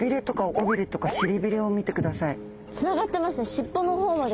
尻尾の方まで。